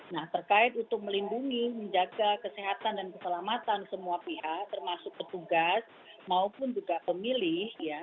nah terkait untuk melindungi menjaga kesehatan dan keselamatan semua pihak termasuk petugas maupun juga pemilih